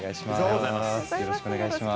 よろしくお願いします。